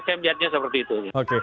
saya lihatnya seperti itu